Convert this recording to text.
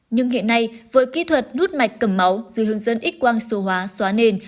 nhưng hiện nay với kỹ thuật hút mạch cầm máu dưới hướng dẫn x quang số hóa xóa nền